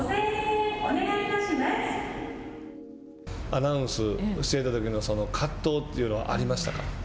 アナウンスしていたときの葛藤というのはありましたか。